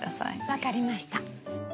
分かりました。